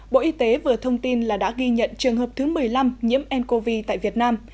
bộ y tế vừa thông tin là đã ghi nhận trường hợp thứ một mươi năm nhiễm ncov tại việt nam